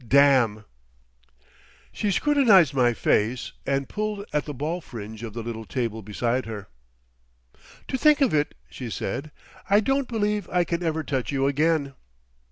Damn!" She scrutinised my face, and pulled at the ball fringe of the little table beside her. "To think of it," she said. "I don't believe I can ever touch you again."